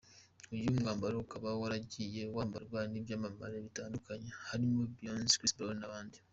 Uyu mwambaro ukaba waragiye wambarwa n’ibyamamare bitandukanye harimo Beyonce, Chris Brown n’abandi….